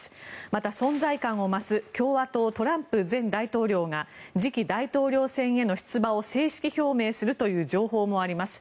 また存在感を増す共和党トランプ前大統領が次期大統領選への出馬を正式表明するという情報もあります。